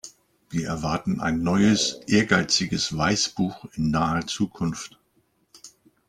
Wir erwarten ein neues ehrgeiziges Weißbuch in naher Zukunft.